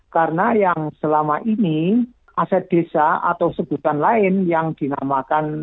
karena yang selama ini aset desa atau sebutan lain yang dinamakan